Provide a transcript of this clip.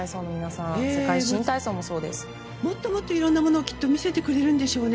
もっともっといろいろなものを見せてくれるんでしょうね。